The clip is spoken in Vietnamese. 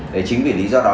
đấy chính vì lý do đó